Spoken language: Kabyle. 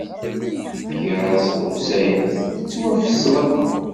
Fkiɣ-as lewṣayat yettwafeṣṣlen.